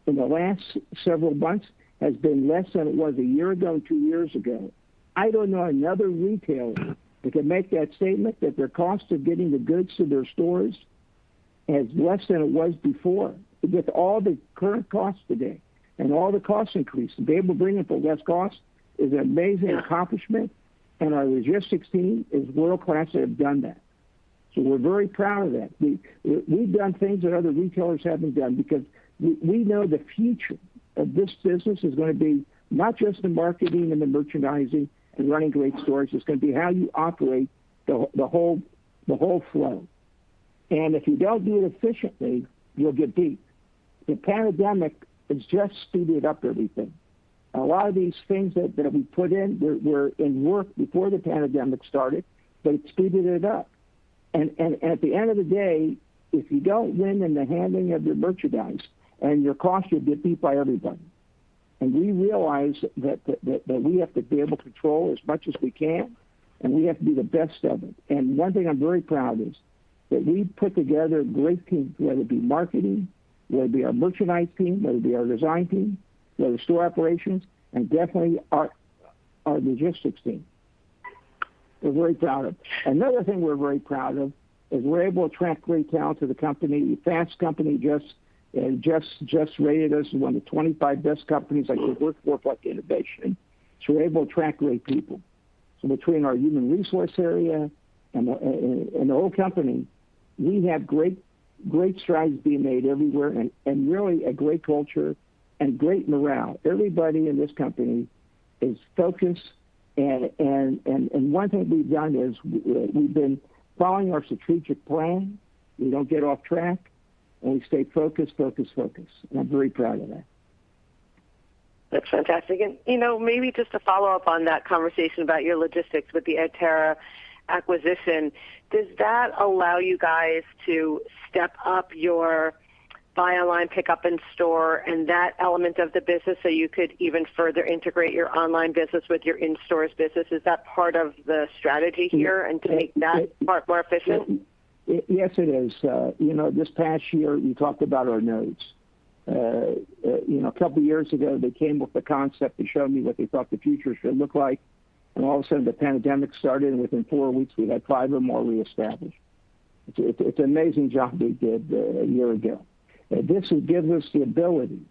in the last several months has been less than it was one year ago, two years ago. I don't know another retailer that can make that statement, that their cost of getting the goods to their stores is less than it was before. With all the current costs today and all the cost increases, to be able to bring it for less cost is an amazing accomplishment. Our logistics team is world-class to have done that. We're very proud of that. We've done things that other retailers haven't done because we know the future of this business is going to be not just the marketing and the merchandising and running great stores. It's going to be how you operate the whole flow. If you don't do it efficiently, you'll get beat. The pandemic has just speeded up everything. A lot of these things that have been put in were in work before the pandemic started, it speeded it up. At the end of the day, if you don't win in the handling of your merchandise and your cost, you'll get beat by everybody. We realize that we have to be able to control as much as we can, and we have to be the best of it. One thing I'm very proud is that we've put together a great team, whether it be marketing, whether it be our merchandise team, whether it be our design team, whether store operations, and definitely our logistics team. We're very proud of. Another thing we're very proud of is we're able to attract great talent to the company. Fast Company just rated us one of the 25 best companies that you could work for for innovation. We're able to attract great people. Between our human resource area and the whole company, we have great strides being made everywhere and really a great culture and great morale. Everybody in this company is focused, and one thing we've done is we've been following our strategic plan. We don't get off track, and we stay focused. I'm very proud of that. That's fantastic. Maybe just to follow up on that conversation about your logistics with the AirTerra acquisition, does that allow you guys to step up your buy online, pick up in store, and that element of the business so you could even further integrate your online business with your in-stores business? Is that part of the strategy here, and to make that part more efficient? Yes, it is. This past year, we talked about our nodes. A couple of years ago, they came with the concept. They showed me what they thought the future should look like, and all of a sudden, the pandemic started, and within four weeks, we had five of them already established. It's an amazing job they did a year ago. This gives us the ability,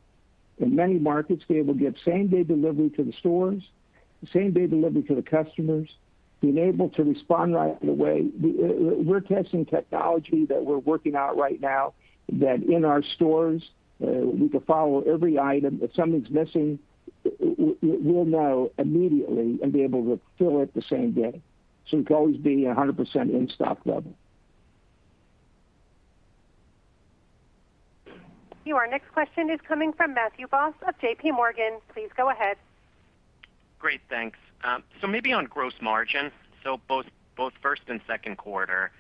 in many markets, to be able to get same-day delivery to the stores, same-day delivery to the customers, being able to respond right away. We're testing technology that we're working out right now that in our stores, we can follow every item. If something's missing, we'll know immediately and be able to fill it the same day. We can always be 100% in stock level. Your next question is coming from Matthew Boss of JPMorgan. Please go ahead. Great. Thanks. Maybe on gross margin. Both first and second quarter,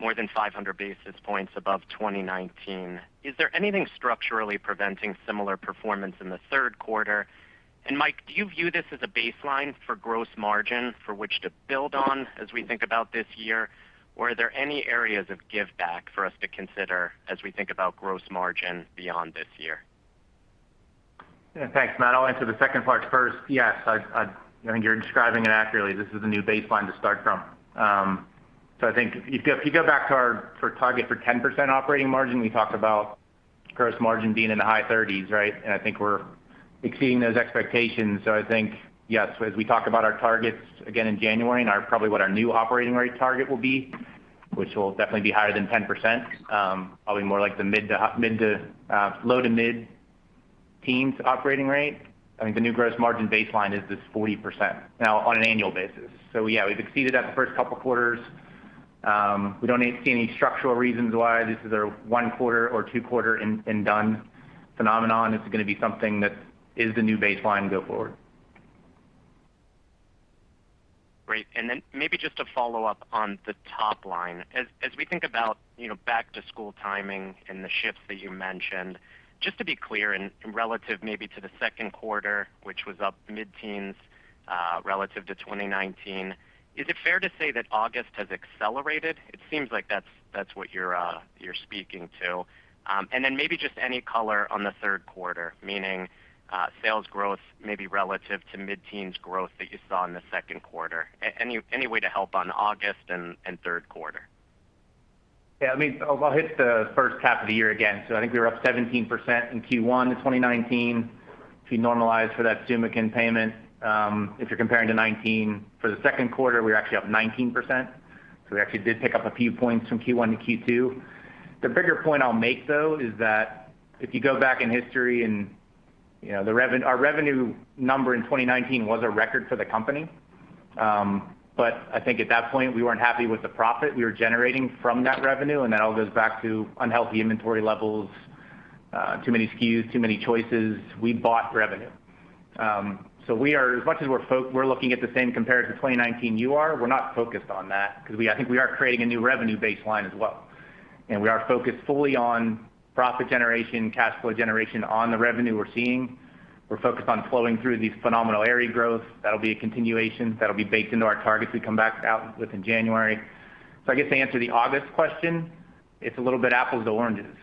more than 500 basis points above 2019. Is there anything structurally preventing similar performance in the third quarter? Mike, do you view this as a baseline for gross margin for which to build on as we think about this year? Are there any areas of giveback for us to consider as we think about gross margin beyond this year? Yeah. Thanks, Matt. I'll answer the second part first. Yes. I think you're describing it accurately. This is a new baseline to start from. I think if you go back to our target for 10% operating margin, we talked about gross margin being in the high 30s, right? I think we're exceeding those expectations. I think, yes, as we talk about our targets again in January, and probably what our new operating rate target will be, which will definitely be higher than 10%, probably more like the low to mid-teens operating rate. I think the new gross margin baseline is this 40%, now on an annual basis. Yeah, we've exceeded that the first couple of quarters. We don't see any structural reasons why this is a one quarter or two quarter and done phenomenon. It's going to be something that is the new baseline going forward. Great. Then maybe just to follow up on the top line. As we think about back-to-school timing and the shifts that you mentioned, just to be clear, relative maybe to the second quarter, which was up mid-teens, relative to 2019, is it fair to say that August has accelerated? It seems like that's what you're speaking to. Then maybe just any color on the third quarter, meaning sales growth maybe relative to mid-teens growth that you saw in the second quarter. Any way to help on August and third quarter? Yeah. I'll hit the first half of the year again. I think we were up 17% in Q1 of 2019. If you normalize for that Zumiez payment, if you're comparing to 2019. For the second quarter, we were actually up 19%, so we actually did pick up a few points from Q1 to Q2. The bigger point I'll make, though, is that if you go back in history and our revenue number in 2019 was a record for the company. I think at that point, we weren't happy with the profit we were generating from that revenue, and that all goes back to unhealthy inventory levels, too many SKUs, too many choices. We bought revenue. As much as we're looking at the same comparative to 2019 you are, we're not focused on that because I think we are creating a new revenue baseline as well, and we are focused fully on profit generation, cash flow generation on the revenue we're seeing. We're focused on flowing through these phenomenal Aerie growth. That'll be a continuation. That'll be baked into our targets we come back out with in January. I guess to answer the August question, it's a little bit apples to oranges.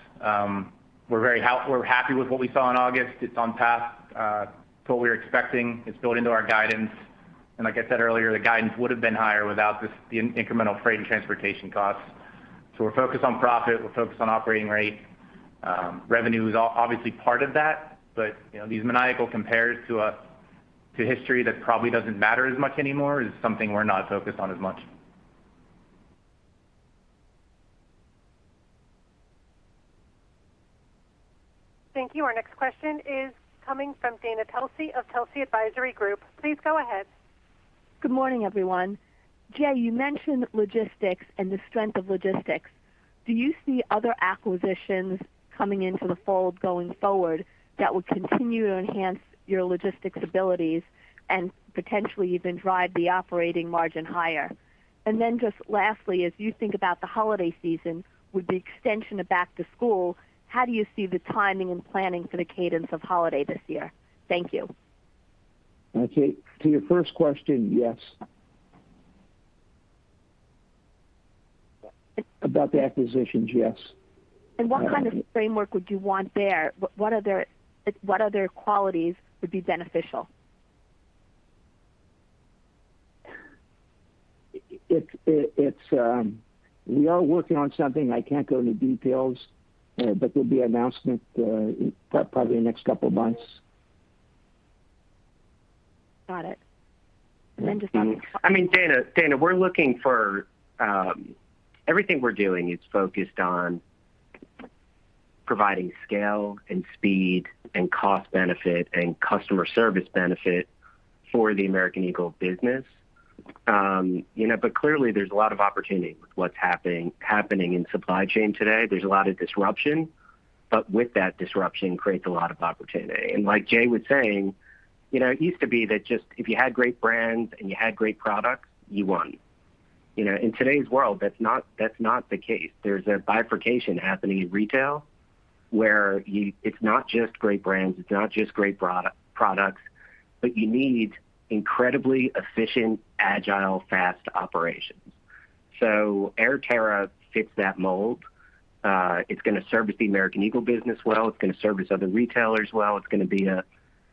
We're happy with what we saw in August. It's on par with what we were expecting. It's built into our guidance. Like I said earlier, the guidance would've been higher without the incremental freight and transportation costs. We're focused on profit. We're focused on operating rate. Revenue is obviously part of that, but these maniacal compares to history that probably doesn't matter as much anymore is something we're not focused on as much. Thank you. Our next question is coming from Dana Telsey of Telsey Advisory Group. Please go ahead. Good morning, everyone. Jay, you mentioned logistics and the strength of logistics. Do you see other acquisitions coming into the fold going forward that will continue to enhance your logistics abilities and potentially even drive the operating margin higher? Just lastly, as you think about the holiday season with the extension of back-to-school, how do you see the timing and planning for the cadence of holiday this year? Thank you. Okay. To your first question, yes. It- About the acquisitions, yes. What kind of framework would you want there? What other qualities would be beneficial? We are working on something. I can't go into details, but there'll be an announcement probably in the next couple of months. Got it. Dana, everything we're doing is focused on providing scale and speed and cost benefit and customer service benefit for the American Eagle business. Clearly, there's a lot of opportunity with what's happening in supply chain today. There's a lot of disruption. With that disruption creates a lot of opportunity. Like Jay was saying, it used to be that just if you had great brands and you had great products, you won. In today's world, that's not the case. There's a bifurcation happening in retail where it's not just great brands, it's not just great products, but you need incredibly efficient, agile, fast operations. AirTerra fits that mold. It's going to service the American Eagle business well. It's going to service other retailers well. It's going to be a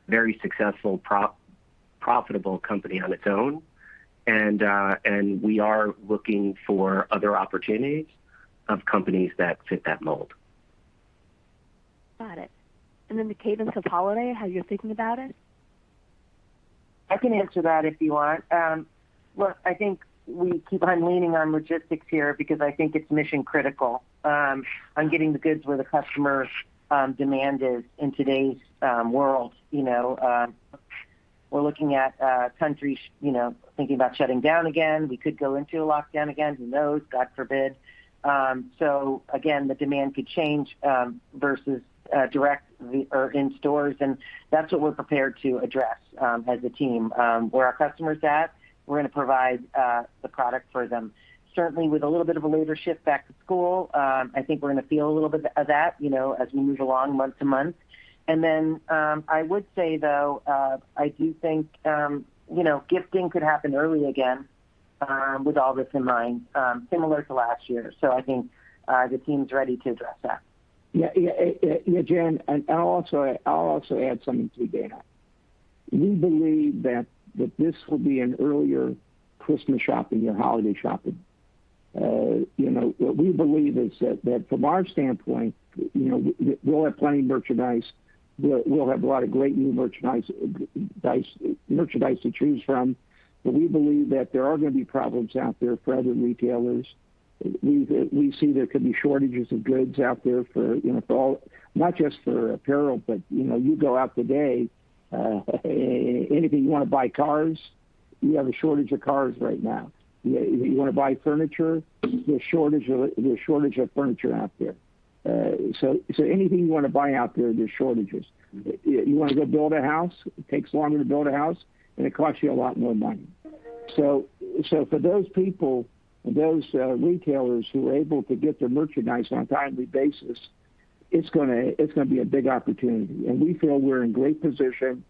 very successful, profitable company on its own. We are looking for other opportunities of companies that fit that mold. Got it. The cadence of holiday, how you're thinking about it? I can answer that if you want. I think we keep on leaning on logistics here because I think it's mission critical on getting the goods where the customer demand is in today's world. We're looking at countries thinking about shutting down again. We could go into a lockdown again, who knows? God forbid. Again, the demand could change versus direct or in stores, and that's what we're prepared to address as a team. Where our customer's at, we're going to provide the product for them. Certainly, with a little bit of a later shift back-to-school, I think we're going to feel a little bit of that as we move along month to month. I would say, though, I do think gifting could happen early again with all this in mind, similar to last year. I think the team's ready to address that. Yeah. Jen, I'll also add something to you, Dana. We believe that this will be an earlier Christmas shopping or holiday shopping. What we believe is that from our standpoint, we'll have plenty of merchandise. We'll have a lot of great new merchandise to choose from. We believe that there are going to be problems out there for other retailers. We see there could be shortages of goods out there, not just for apparel. You go out today, anything you want to buy, cars, we have a shortage of cars right now. You want to buy furniture, there's a shortage of furniture out there. Anything you want to buy out there's shortages. You want to go build a house, it takes longer to build a house. It costs you a lot more money. For those people, those retailers who are able to get their merchandise on a timely basis, it's going to be a big opportunity, and we feel we're in great position.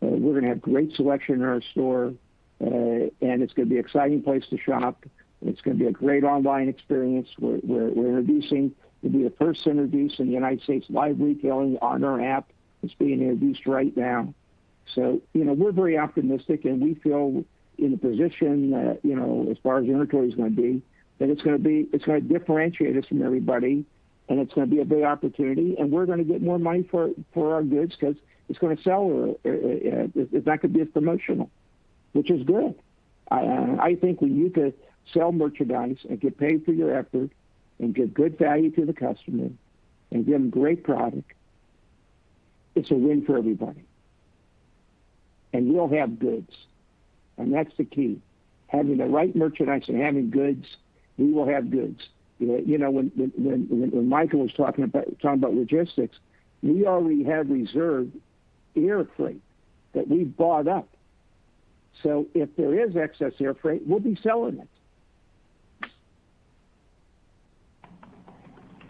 We're going to have great selection in our store, and it's going to be an exciting place to shop. It's going to be a great online experience. We'll be the first to introduce in the U.S. live retailing on our app. It's being introduced right now. We're very optimistic, and we feel in the position that, as far as inventory is going to be, that it's going to differentiate us from everybody, and it's going to be a big opportunity, and we're going to get more money for our goods because it's going to sell. That could be a promotional, which is good. I think when you could sell merchandise and get paid for your effort and give good value to the customer and give them great product, it's a win for everybody. We'll have goods, and that's the key, having the right merchandise and having goods. We will have goods. When Michael was talking about logistics, we already have reserved air freight that we've bought up. If there is excess air freight, we'll be selling it.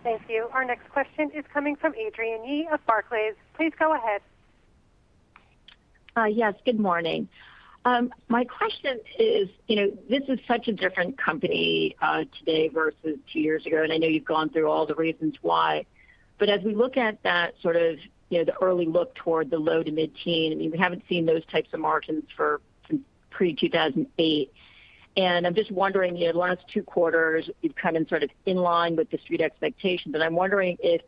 Thank you. Our next question is coming from Adrienne Yih of Barclays. Please go ahead. Yes, good morning. My question is, this is such a different company today versus two years ago. I know you've gone through all the reasons why. As we look at that sort of the early look toward the low to mid-teen, we haven't seen those types of margins for pre-2008. I'm just wondering, the last two quarters, you've come in sort of in line with the Street expectations. I'm wondering if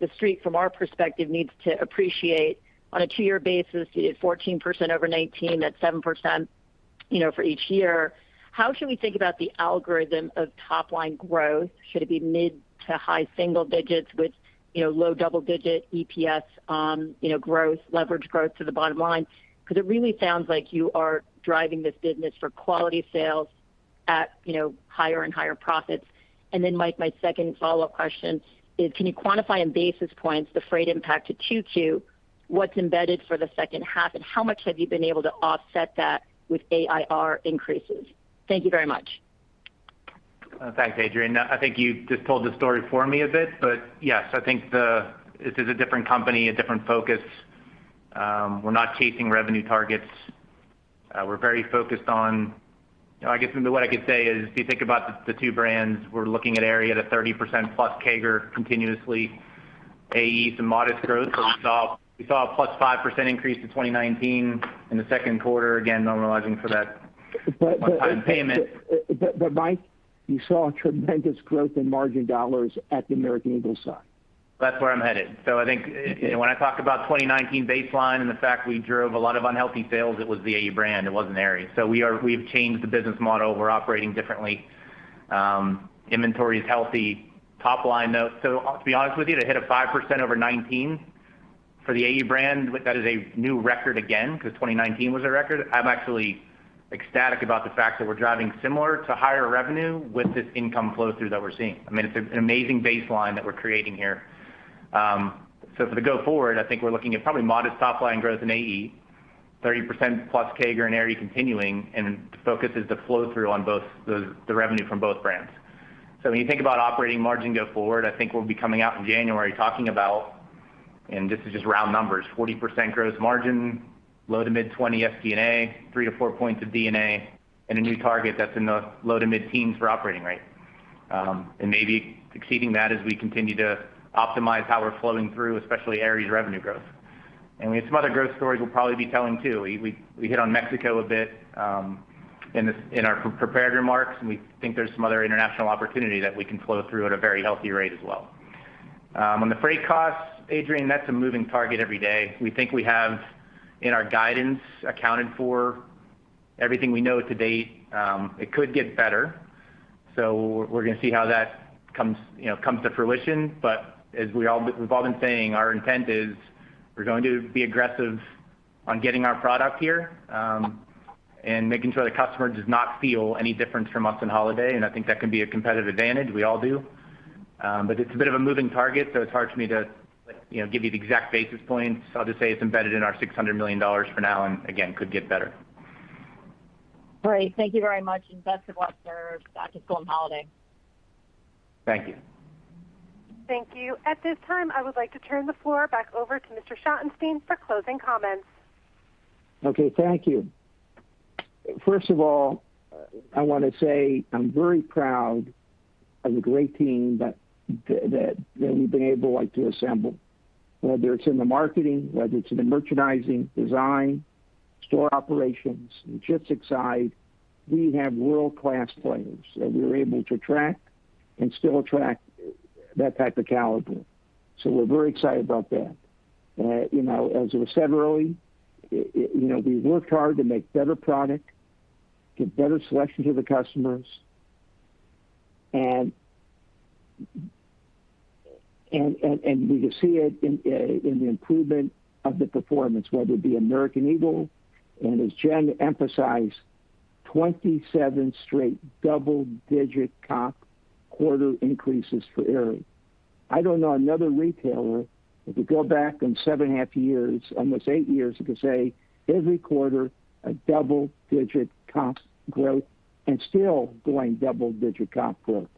the Street, from our perspective, needs to appreciate on a two-year basis, you did 14% over 2019, that's 7% for each year. How should we think about the algorithm of top-line growth? Should it be mid to high single digits with low double-digit EPS leverage growth to the bottom line? It really sounds like you are driving this business for quality sales at higher and higher profits. Then, Mike, my second follow-up question is, can you quantify in basis points the freight impact to 2Q, what's embedded for the second half, and how much have you been able to offset that with AIR increases? Thank you very much. Thanks, Adrienne. I think you just told the story for me a bit, but yes. I think this is a different company, a different focus. We're not chasing revenue targets. We're very focused on I guess what I could say is, if you think about the two brands, we're looking at Aerie at a 30%+ CAGR continuously. AE, some modest growth. We saw a +5% increase to 2019 in the second quarter, again, normalizing for that one-time payment. Mike, you saw tremendous growth in margin dollars at the American Eagle side. I think when I talk about 2019 baseline and the fact we drove a lot of unhealthy sales, it was the AE brand, it wasn't Aerie. We've changed the business model. We're operating differently. Inventory is healthy. Top line, though, to be honest with you, to hit a 5% over 2019 for the AE brand, that is a new record again, because 2019 was a record. I'm actually ecstatic about the fact that we're driving similar to higher revenue with this income flow-through that we're seeing. It's an amazing baseline that we're creating here. For the go forward, I think we're looking at probably modest top-line growth in AE, 30%+ CAGR in Aerie continuing, and the focus is the flow-through on both the revenue from both brands. When you think about operating margin go forward, I think we'll be coming out in January talking about, and this is just round numbers, 40% gross margin, low to mid-20 SG&A, three to four points of D&A, and a new target that's in the low to mid-teens for operating rate. Maybe exceeding that as we continue to optimize how we're flowing through, especially Aerie's revenue growth. We have some other growth stories we'll probably be telling, too. We hit on Mexico a bit in our prepared remarks, and we think there's some other international opportunity that we can flow through at a very healthy rate as well. On the freight costs, Adrienne, that's a moving target every day. We think we have, in our guidance, accounted for everything we know to date. It could get better. We're going to see how that comes to fruition. As we've all been saying, our intent is we're going to be aggressive on getting our product here, and making sure the customer does not feel any difference from us in holiday, and I think that can be a competitive advantage, we all do. It's a bit of a moving target, so it's hard for me to give you the exact basis points. I'll just say it's embedded in our $600 million for now, and again, could get better. Great. Thank you very much. Best of luck there back-to-school and holiday. Thank you. Thank you. At this time, I would like to turn the floor back over to Mr. Schottenstein for closing comments. Okay. Thank you. First of all, I want to say I'm very proud of the great team that we've been able to assemble, whether it's in the marketing, whether it's in the merchandising, design, store operations, logistics side, we have world-class players that we were able to attract and still attract that type of caliber. We're very excited about that. As we said earlier, we worked hard to make better product, give better selection to the customers, and we can see it in the improvement of the performance, whether it be American Eagle, and as Jen emphasized, 27 straight double-digit comp quarter increases for Aerie. I don't know another retailer that could go back in 7.5 years, almost eight years, who could say every quarter, a double-digit comp growth and still going double-digit comp growth.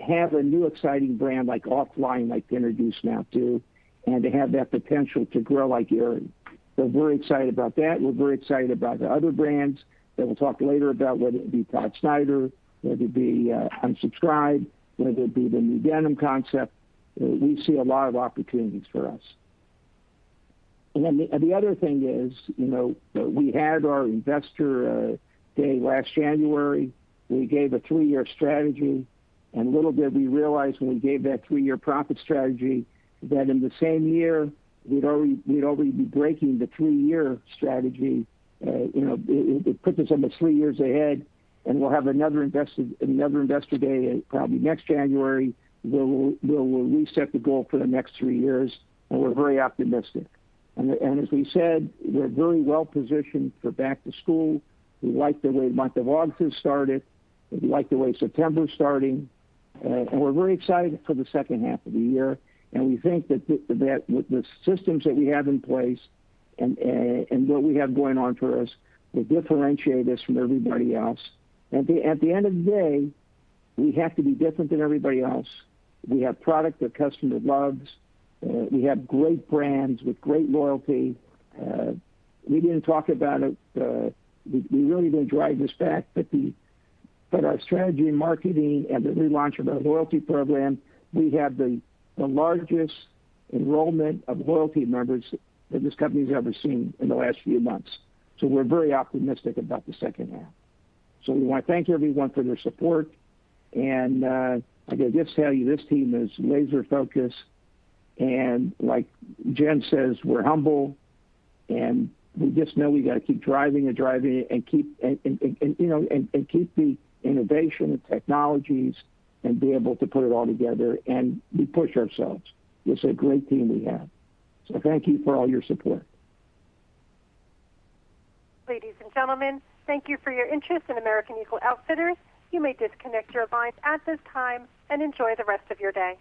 Have a new exciting brand like OFFLINE, like we introduced now, too, and to have that potential to grow like Aerie. We're excited about that. We're very excited about the other brands that we'll talk later about, whether it be Todd Snyder, whether it be Unsubscribed, whether it be the new denim concept. We see a lot of opportunities for us. The other thing is, we had our investor day last January. We gave a three-year strategy, little did we realize when we gave that three-year profit strategy, that in the same year, we'd already be breaking the three-year strategy. It put us almost three years ahead, we'll have another investor day probably next January, where we'll reset the goal for the next three years, and we're very optimistic. As we said, we're very well-positioned for back-to-school. We like the way month of August has started. We like the way September's starting. We're very excited for the second half of the year, and we think that the systems that we have in place and what we have going on for us will differentiate us from everybody else. At the end of the day, we have to be different than everybody else. We have product the customer loves. We have great brands with great loyalty. We didn't talk about it, we really didn't drive this fact, but our strategy and marketing and the relaunch of our loyalty program, we have the largest enrollment of loyalty members that this company's ever seen in the last few months. We're very optimistic about the second half. We want to thank everyone for their support. I can just tell you, this team is laser-focused, and like Jen says, we're humble, and we just know we got to keep driving and driving it, and keep the innovation and technologies and be able to put it all together, and we push ourselves. Just a great team we have. Thank you for all your support. Ladies and gentlemen, thank you for your interest in American Eagle Outfitters. You may disconnect your lines at this time, and enjoy the rest of your day.